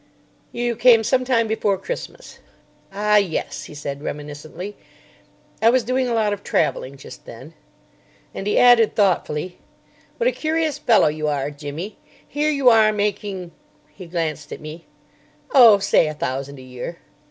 "You came some time before Christmas." "Ah, yes," he said reminiscently. "I was doing a lot of travelling just then." And he added, thoughtfully, "What a curious fellow you are, Jimmy. Here are you making——" He glanced at me. "Oh, say a thousand a year."